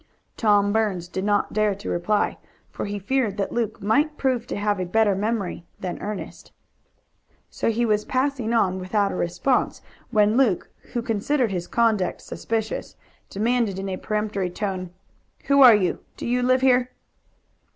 Tom Burns did not dare to reply, for he feared that Luke might prove to have a better memory than Ernest. So he was passing on without a response, when Luke, who considered his conduct suspicious, demanded, in a peremptory tone, "Who are you? Do you live here?"